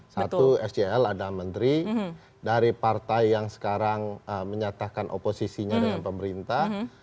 satu scl ada menteri dari partai yang sekarang menyatakan oposisinya dengan pemerintah